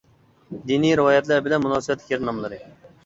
دىنىي رىۋايەتلەر بىلەن مۇناسىۋەتلىك يەر ناملىرى.